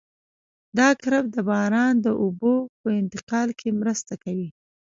دا کرب د باران د اوبو په انتقال کې مرسته کوي